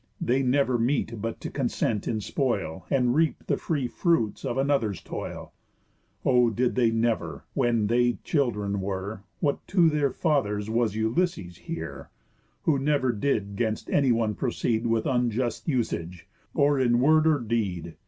They never meet but to consent in spoil, And reap the free fruits of another's toil. O did they never, when they children were, What to their fathers was Ulysses, hear? Who never did 'gainst anyone proceed With unjust usage, or in word or deed?